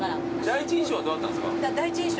第一印象はどうだったんですか？